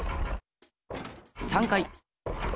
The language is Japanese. ３回。